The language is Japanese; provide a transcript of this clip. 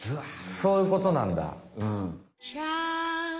そういうことなんだうん。